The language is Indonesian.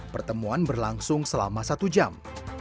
pertemuan berlangsung selama satu jam